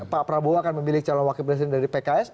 pak prabowo akan memilih calon wakil presiden dari pks